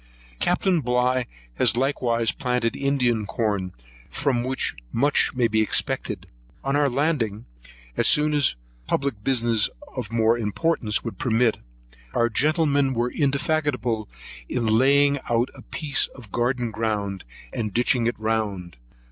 Captain Bligh has likewise planted Indian corn, from which much may be expected. On our landing, as soon as public business of more importance would permit, our gentlemen were indefatigable in laying out a piece of garden ground, and ditching it round.